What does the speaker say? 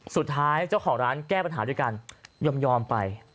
สุดท้ายเจ้าของร้านแก้ปัญหาด้วยกันยอมไป